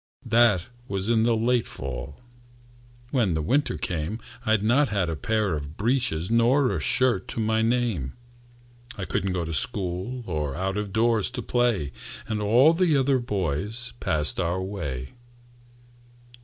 That was in the late fall. When the winter came, I'd not a pair of breeches Nor a shirt to my name. I couldn't go to school, Or out of doors to play. And all the other little boys Passed our way.